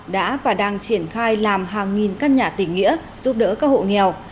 đã và đang triển khai làm hàng nghìn căn nhà tỉnh nghĩa giúp đỡ các hộ nghèo